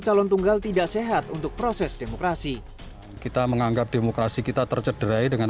calon tunggal tidak sehat untuk proses demokrasi kita menganggap demokrasi kita tercederai dengan